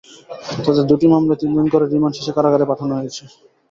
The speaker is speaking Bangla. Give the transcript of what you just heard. তাঁদের দুটি মামলায় তিন দিন করে রিমান্ড শেষে কারাগারে পাঠানো হয়েছে।